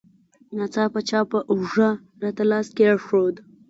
ناڅاپه چا په اوږه راته لاس کېښود.